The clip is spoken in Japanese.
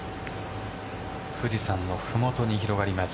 富士山の麓に広がります